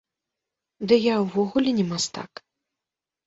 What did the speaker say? Ды я ўвогуле не мастак!